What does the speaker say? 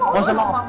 mau sama omah